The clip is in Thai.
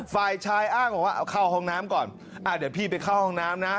ฝ่ายชายอ้างบอกว่าเอาเข้าห้องน้ำก่อนอ่าเดี๋ยวพี่ไปเข้าห้องน้ำนะ